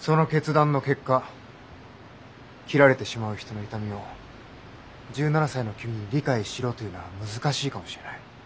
その決断の結果切られてしまう人の痛みを１７才の君に理解しろというのは難しいかもしれない。